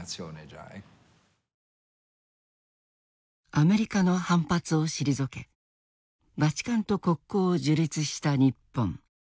アメリカの反発を退けバチカンと国交を樹立した日本。